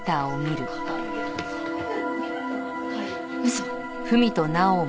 嘘。